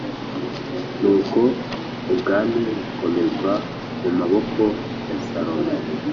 Nuko ubwami bukomezwa mu maboko ya Salomo..